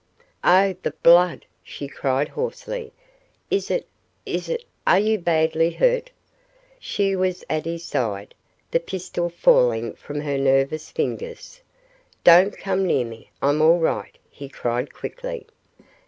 "Oh, the blood!" she cried hoarsely. "Is it is it are you badly hurt?" She was at his side, the pistol falling from her nervous fingers. "Don't come near me; I'm all right," he cried quickly.